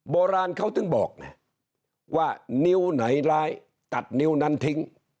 โบราณเขาถึงบอกไงว่านิ้วไหนร้ายตัดนิ้วนั้นทิ้ง